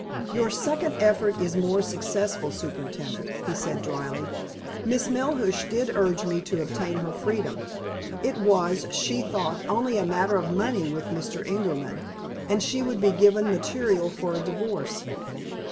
"Your second effort is more successful, superintendent," he said dryly. "Miss Melhuish did urge me to obtain her freedom. It was, she thought, only a matter of money with Mr. Ingerman, and she would be given material for a divorce."